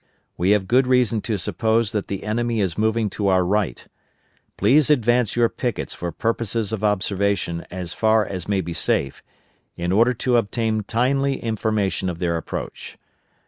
We have good reason to suppose that the enemy is moving to our right. Please advance your pickets for purposes of observation as far as may be safe, in order to obtain timely information of their approach.